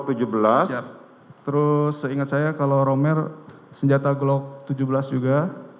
terus seingat saya kalau romer senjata glock tujuh belas juga